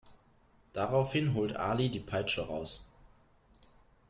Daraufhin holt Ali die Peitsche raus.